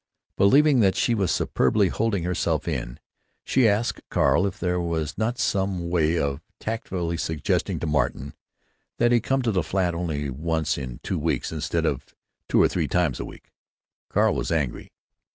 Believing that she was superbly holding herself in, she asked Carl if there was not some way of tactfully suggesting to Martin that he come to the flat only once in two weeks, instead of two or three times a week. Carl was angry.